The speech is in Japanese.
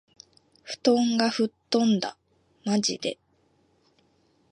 布団が吹っ飛んだ。（まじで）